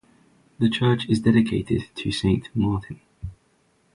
The church is dedicated to Saint Martin.